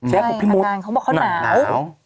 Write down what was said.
ใช่อาการเขาบอกว่าเขาหนาว